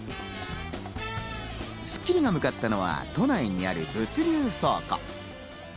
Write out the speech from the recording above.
『スッキリ』が向かったのは都内にある物流倉庫。